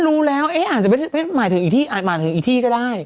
ดูแล้วอาจจะหมายถึงอีกที่ก็ได้